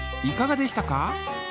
いかがでしたか？